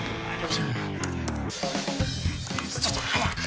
ちょちょっと早く！